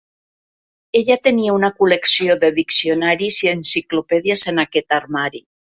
Ella tenia una col·lecció de diccionaris i enciclopèdies en aquest armari.